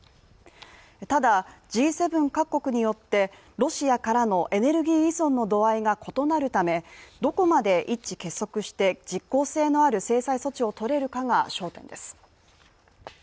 ただ、Ｇ７各国によってロシアからのエネルギー依存の度合いが異なるため、どこまで一致結束して実効性のある制裁措置をとれるかが焦点です。